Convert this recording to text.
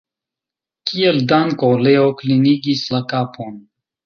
Kiel danko Leo klinigis la kapon.